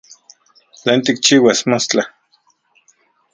¿Tlen tikchiuas mostla?